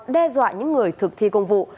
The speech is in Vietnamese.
đe dọa những người thực thi công vụ